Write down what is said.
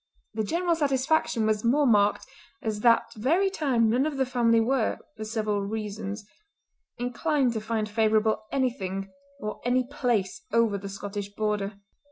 The general satisfaction was more marked as at that very time none of the family were, for several reasons, inclined to find favourable anything or any place over the Scottish border.